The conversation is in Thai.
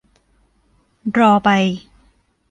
รอไป